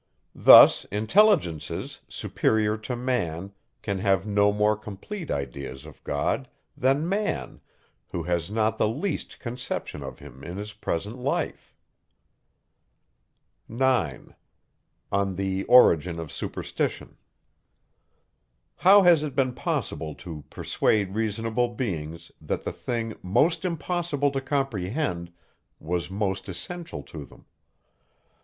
Thus, intelligences, superior to man, can have no more complete ideas of God, than man, who has not the least conception of him in his present life. 9. How has it been possible to persuade reasonable beings, that the thing, most impossible to comprehend, was most essential to them?